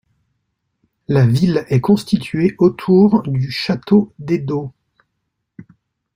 La ville est constituée autour du château d'Edo.